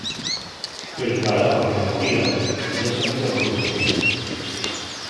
El qu'araba y abatía yá sabía lo que facía.